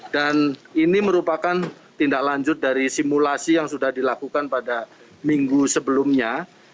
dan ini merupakan tindak lanjut dari simulasi yang sudah dilakukan pada minggu sebelumnya